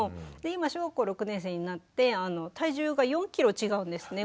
今小学校６年生になって体重が４キロ違うんですね